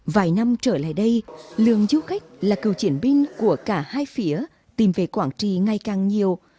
vài năm trở lại đây lượng du khách là cựu chiến binh của cả hai phía tìm về quảng trì ngày càng nhiều